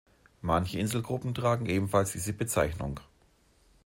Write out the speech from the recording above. Manche Inselgruppen tragen ebenfalls diese Bezeichnung.